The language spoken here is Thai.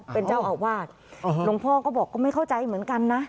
ลูกพ่อเป็นเจ้าอาวาสโอเคลูกพ่อก็บอกก็ไม่เข้าใจเหมือนกันนะ